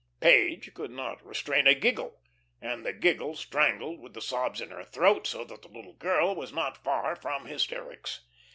Page could not restrain a giggle, and the giggle strangled with the sobs in her throat, so that the little girl was not far from hysterics.